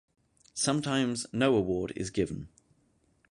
Sometimes, no award is given.